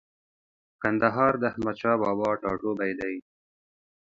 کندهار د احمدشاه بابا ټاټوبۍ دی.